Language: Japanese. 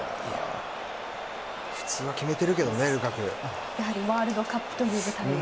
普通は決めてるけどねやはりワールドカップという舞台で。